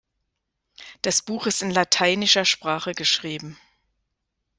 Das Buch ist in lateinischer Sprache geschrieben.